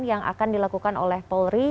yang akan dilakukan oleh polri